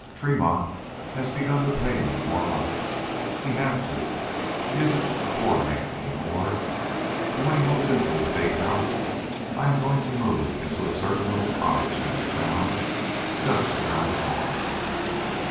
Tremont has begun to pay me more money. He had to. He isn't a poor man any more, and when he moves into his big house, I am going to move into a certain little cottage I have found, just around the corner.